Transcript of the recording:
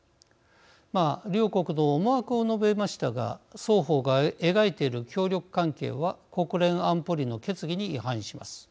両国の思惑を述べましたが双方が描いている協力関係は国連安保理の決議に違反します。